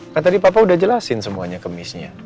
kan tadi papa udah jelasin semuanya ke missnya